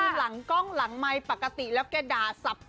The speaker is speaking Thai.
หลังกล้องหลังไม้ปกติแล้วกแกหว่าด่าสับ